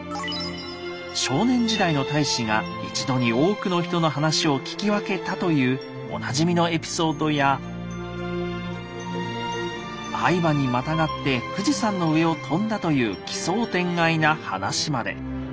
少年時代の太子が一度に多くの人の話を聞き分けたというおなじみのエピソードや愛馬にまたがって富士山の上を飛んだという奇想天外な話まで。